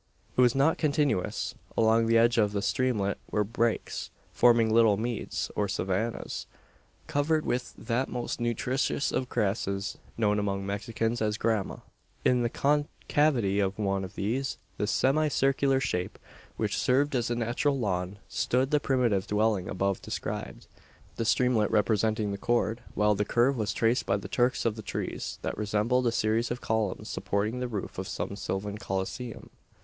It was not continuous. Along the edge of the streamlet were breaks forming little meads, or savannahs, covered with that most nutritious of grasses, known among Mexicans as grama. In the concavity of one of these, of semicircular shape which served as a natural lawn stood the primitive dwelling above described; the streamlet representing the chord; while the curve was traced by the trunks of the trees, that resembled a series of columns supporting the roof of some sylvan coliseum.